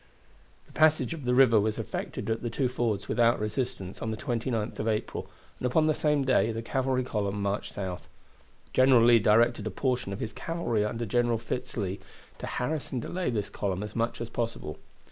The passage of the river was effected at the two fords without resistance on the 29th of April, and upon the same day the cavalry column marched south. General Lee directed a portion of his cavalry under General Fitz Lee to harass and delay this column as much as possible.